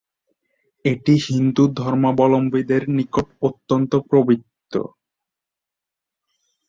এটি হিন্দু ধর্মাবলম্বীদের নিকট অত্যন্ত পবিত্র।